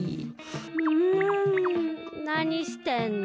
うんなにしてんの？